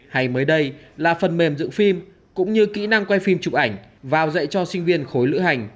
hay mới đây là phần mềm dựng phim cũng như kỹ năng quay phim chụp ảnh vào dạy cho sinh viên khối lữ hành